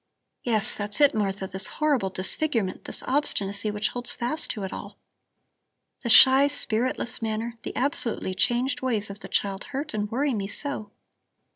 "Yes, that's it, Martha, this horrible disfigurement, this obstinacy which holds fast to it all. The shy, spiritless manner, the absolutely changed ways of the child hurt and worry me so.